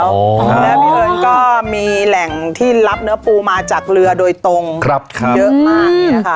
แล้วพี่เอิญก็มีแหล่งที่รับเนื้อปูมาจากเรือโดยตรงครับครับเยอะมากเนี่ยค่ะ